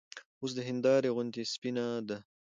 اوس د هېندارې غوندې سپينه ده